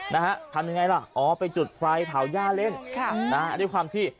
นะฮะทำยังไงล่ะอ๋อไปจุดไฟเผาย่าเล่นค่ะนะฮะด้วยความที่